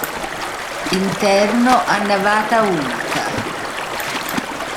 Interno a navata unica.